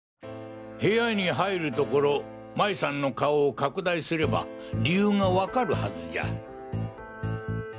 部屋に入るところ麻衣さんの顔を拡大すれば理由がわかるはずじゃ。